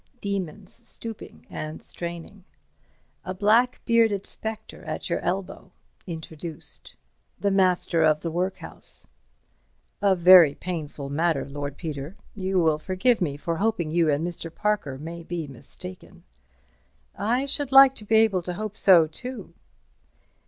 Demons stooping and straining. A black bearded spectre at your elbow. Introduced. The Master of the Workhouse. "A very painful matter, Lord Peter. You will forgive me for hoping you and Mr. Parker may be mistaken." "I should like to be able to hope so too."